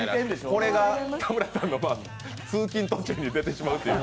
これが田村さんの通勤途中に出てしまうという。